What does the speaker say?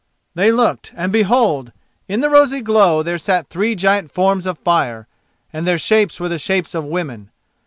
They looked, and behold! in the rosy glow there sat three giant forms of fire, and their shapes were the shapes of women.